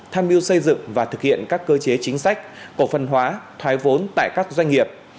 tham mưu xây dựng và thực hiện các cơ chế chính sách cổ phần hóa thoái vốn tại các doanh nghiệp